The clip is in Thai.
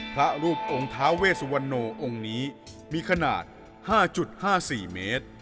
พระรูปองค์ท้าเวสุวรรณโนองค์นี้มีขนาด๕๕๔เมตร